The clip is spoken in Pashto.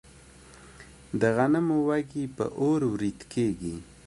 د غنمو وږي په اور وریت کیږي.